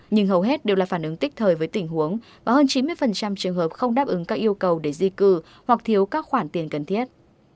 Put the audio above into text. nhưng hầu hết đều là phản ứng tích thời với tình huống và hơn chín mươi trường hợp không đáp ứng các yêu cầu để di cư hoặc thiếu các khoản tiền cần thiết